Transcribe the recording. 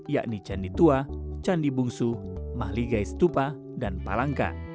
yakni candi tua candi bungsu mahligai stupa dan palangka